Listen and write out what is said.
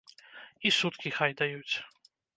І суткі хай даюць.